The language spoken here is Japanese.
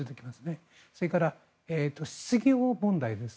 それから、失業問題です。